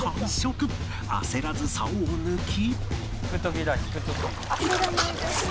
焦らず竿を抜き